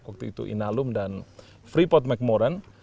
waktu itu inalum dan freeport mcmoran